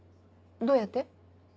どうやって？